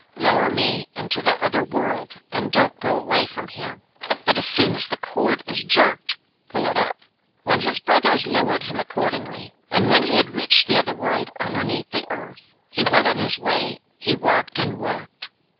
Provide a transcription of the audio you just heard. Lower me into the other world, and don't go away from here, but as soon as the cord is jerked, pull it up.' His brothers lowered him accordingly, and when he had reached the other world, underneath the earth, he went on his way. He walked and walked.